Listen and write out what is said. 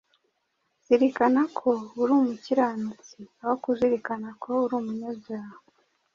Zirikana ko uri umukiranutsi, aho kuzirikana ko uri umunyabyaha